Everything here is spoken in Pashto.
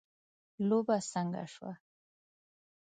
لوبه څنګه شوه .